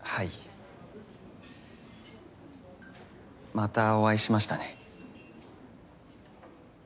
またお会いしましたね。